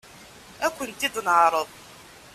Ad kent-id-neɛṛeḍ.